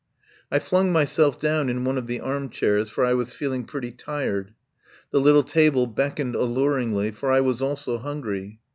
I flung myself down in one of the arm chairs, for I was feeling pretty tired. The little table beckoned alluringly, for I was also hungry.